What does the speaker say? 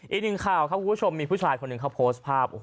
อีกหนึ่งข่าวครับคุณผู้ชมมีผู้ชายคนหนึ่งเขาโพสต์ภาพ